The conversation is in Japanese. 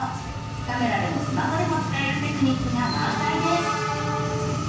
カメラでもスマホでも使えるテクニックが満載です！